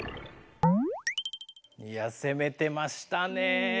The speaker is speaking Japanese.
いや攻めてましたね。